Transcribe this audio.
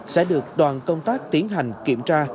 sẽ được đoàn công tác tiến hành kiểm tra